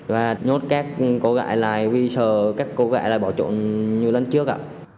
và nhốt các cô gái lại vì sợ các cô gái lại bỏ trộn như lần trước ạ